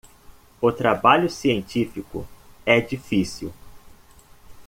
O trabalho científico é difícil.